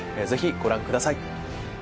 ぜひご覧ください